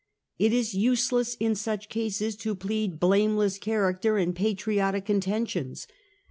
It is useless in such cases to plead blameless character and patriotic intentions.